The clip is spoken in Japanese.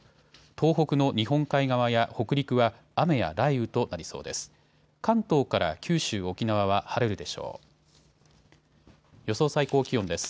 東北の日本海側や北陸は雨や雷雨となりそうです。